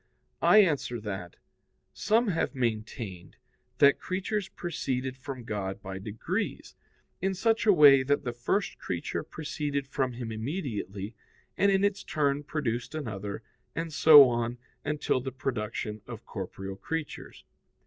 I answer that, Some have maintained that creatures proceeded from God by degrees, in such a way that the first creature proceeded from Him immediately, and in its turn produced another, and so on until the production of corporeal creatures.